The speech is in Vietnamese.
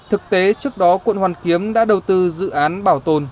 thực tế trước đó quận hoàn kiếm đã đầu tư dự án bảo tồn